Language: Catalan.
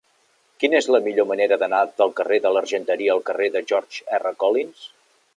Quina és la millor manera d'anar del carrer de l'Argenteria al carrer de George R. Collins?